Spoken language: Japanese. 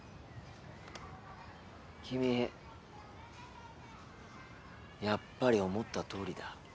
君やっぱり思ったとおりだ。